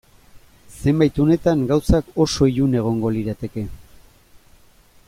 Zenbait unetan gauzak oso ilun egongo lirateke.